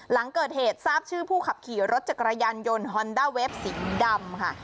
หลังเกิดเหตุทราบชื่อผู้ขับขี่รถจักรยานยนต์ฮอนด้าเวฟสีดำค่ะ